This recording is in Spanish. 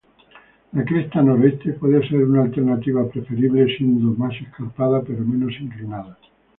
La cresta noreste puede ser una alternativa preferible, siendo más escarpada pero menos inclinada.